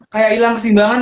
kayak hilang kesimbangan